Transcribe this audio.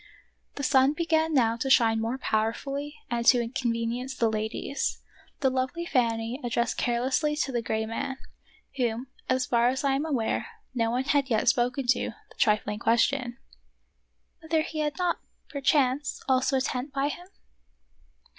The sun began now to shine more powerfully and to inconvenience the ladies. The lovely Fanny addressed carelessly to the gray man — whom, as far as I am aware, no one had yet spoken to — the trifling question, " Whether he had not, perchance, also a tent by him.?